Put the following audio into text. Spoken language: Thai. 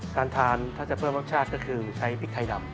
การทานถ้าจะเพิ่มรสชาติก็คือใช้พริกไทยดำ